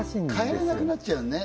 変えられなくなっちゃうのね